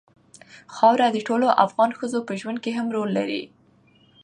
خاوره د ټولو افغان ښځو په ژوند کې هم رول لري.